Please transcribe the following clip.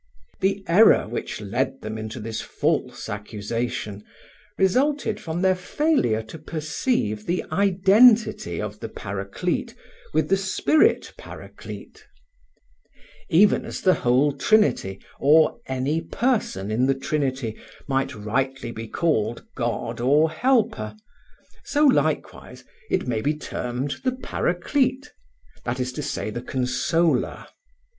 The error which led them into this false accusation resulted from their failure to perceive the identity of the Paraclete with the Spirit Paraclete. Even as the whole Trinity, or any Person in the Trinity, may rightly be called God or Helper, so likewise may It be termed the Paraclete, that is to say the Consoler.